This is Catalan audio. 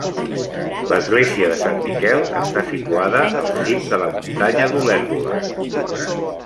L'església de Sant Miquel està situada al cim de la muntanya d'Olèrdola.